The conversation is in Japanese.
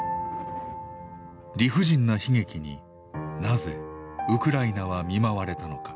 理不尽な悲劇になぜウクライナは見舞われたのか。